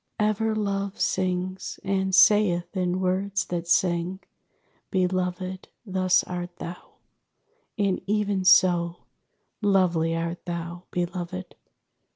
_ _Ever Love sings, and saith in words that sing, 'Beloved, thus art thou; and even so Lovely art thou, Beloved!'